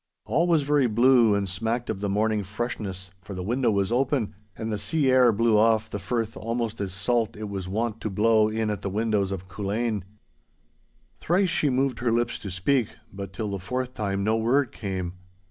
All was very blue, and smacked of the morning freshness, for the window was open, and the sea air blew off the firth almost as salt it was wont to blow in at the windows of Culzean. Thrice she moved her lips to speak, but till the fourth time no word came.